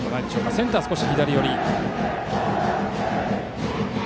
センターは少し左寄り。